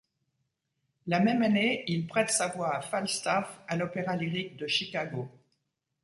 La même année, il prête sa voix à Falstaff à l'Opéra lyrique de Chicago.